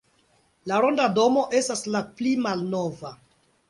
La ronda domo estas la pli malnova.